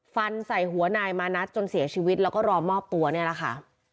ฟันใส่หัวนายมานัดจนเสียชีวิตแล้วก็รอมอบตัวเนี่ยแหละค่ะ